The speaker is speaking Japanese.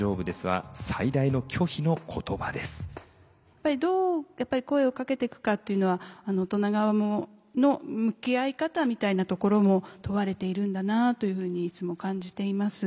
やっぱりどう声をかけていくかっていうのは大人側の向き合い方みたいなところも問われているんだなというふうにいつも感じています。